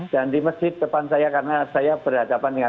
dan di masjid depan saya karena saya berhadapan ingat